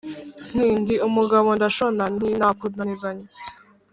nti ndi umugabo ndashona nti ntakunanizanya